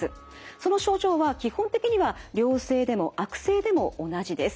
その症状は基本的には良性でも悪性でも同じです。